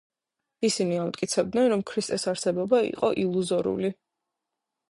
ისინი ამტკიცებდნენ, რომ ქრისტეს არსებობა იყო ილუზორული.